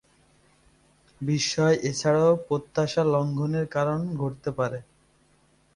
বিস্ময় এছাড়াও প্রত্যাশা লঙ্ঘনের কারণে ঘটতে পারে।